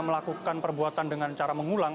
melakukan perbuatan dengan cara mengulang